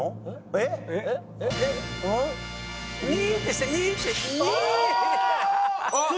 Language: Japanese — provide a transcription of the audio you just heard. えっ！？